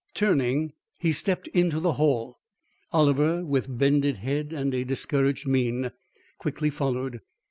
Turning, he stepped into the hall. Oliver, with bended head and a discouraged mien, quickly followed.